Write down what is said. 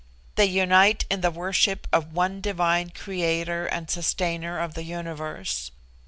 They unite in the worship of one divine Creator and Sustainer of the universe.